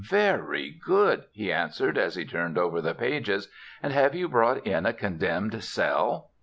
"Very good," he answered as he turned over the pages, "and have you brought in a condemned cell?"